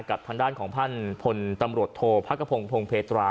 กับทางด้านของพันธุ์ผลตำรวจโทษพระกระพงษ์พลงเพศรา